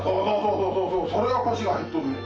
そうそうそうそれが腰が入っとんねん。